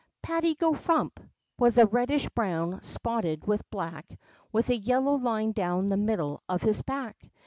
'^Patty go Frump'' was a reddish brown, spotted with black, with a yellow line down the middle of his hack.